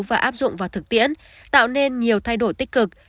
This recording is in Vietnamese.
và áp dụng vào thực tiễn tạo nên nhiều thay đổi tích cực